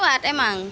sering lewat emang